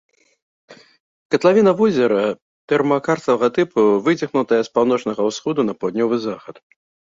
Катлавіна возера тэрмакарставага тыпу выцягнутая з паўночнага ўсходу на паўднёвы захад.